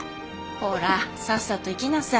ほらさっさと行きなさいよ。